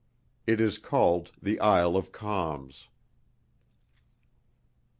It is called_ THE ISLE OF CALMS."